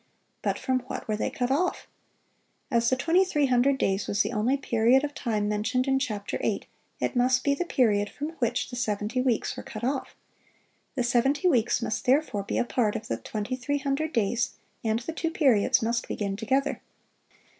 But from what were they cut off? As the 2300 days was the only period of time mentioned in chapter eight, it must be the period from which the seventy weeks were cut off; the seventy weeks must therefore be a part of the 2300 days, and the two periods must begin together.